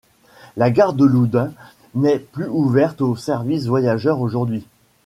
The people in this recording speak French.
La gare de Loudun n'est plus ouverte au service voyageurs aujourd'hui.